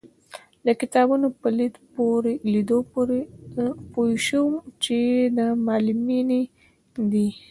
د کتابونو په لیدو پوی شوم چې معلمینې دي.